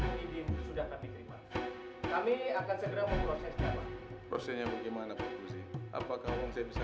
hadidin sudah kan dip kagami akan segera memproses viagra prosesnya gimana kugus apakah orang kita